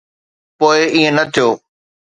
پوءِ ائين نه ٿيو.